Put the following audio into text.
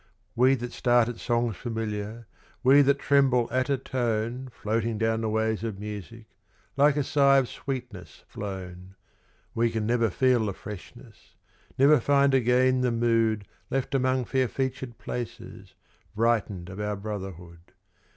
We that start at songs familiar, we that tremble at a tone Floating down the ways of music, like a sigh of sweetness flown, We can never feel the freshness, never find again the mood Left among fair featured places, brightened of our brotherhood.